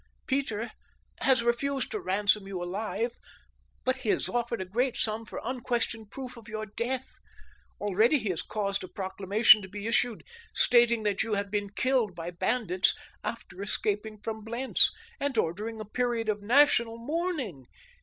Peter has refused to ransom you alive, but he has offered a great sum for unquestioned proof of your death. Already he has caused a proclamation to be issued stating that you have been killed by bandits after escaping from Blentz, and ordering a period of national mourning.